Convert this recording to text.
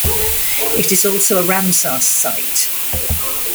It is also a Ramsar site.